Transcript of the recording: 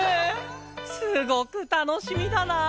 すごく楽しみだなあ！